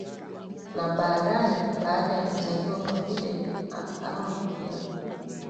na baadae baada ya kuzaliwa kwa Fidel akawa mkewe